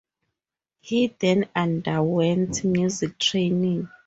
He then underwent music training.